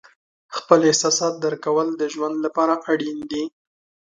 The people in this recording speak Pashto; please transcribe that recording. خپل احساسات درک کول د ژوند لپاره اړین دي.